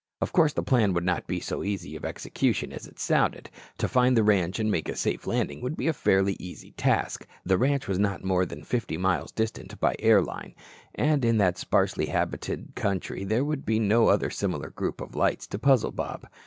Of course, the plan would not be so easy of execution as it sounded. To find the ranch and make a safe landing would be a fairly easy task. The ranch was not more than fifty miles distant by air line, and in that sparsely habited country there would be no other similar group of lights to puzzle Bob.